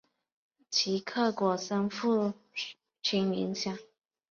齐克果深受父亲影响。